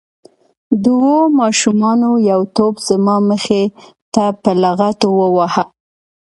دوو ماشومانو یو توپ زما مخې ته په لغتو وواهه.